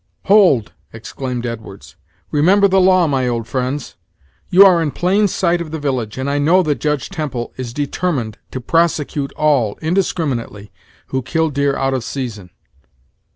"Hold!" exclaimed Edwards. "Remember the law, my old friends. You are in plain sight of the village, and I know that Judge Temple is determined to prosecute all, indiscriminately, who kill deer out of season."